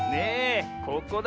ここだ。